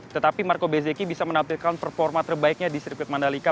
tetapi marco bezeki bisa menampilkan performa terbaiknya di sirkuit mandalika